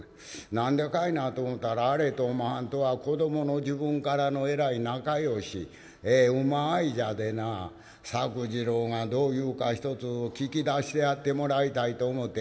『何でかいな？』と思たらあれとお前はんとは子どもの時分からのえらい仲良しええウマ合いじゃでなぁ作治郎がどう言うかひとつ聞き出してやってもらいたいと思て。